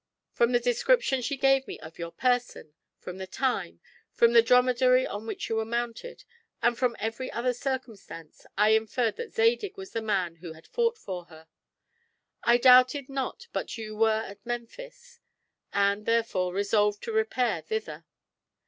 From the description she gave me of your person, from the time, from the dromedary on which you were mounted, and from every other circumstance, I inferred that Zadig was the man who had fought for her. I doubted not but that you were at Memphis, and, therefore, resolved to repair thither.